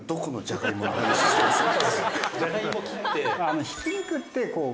「じゃがいも切って」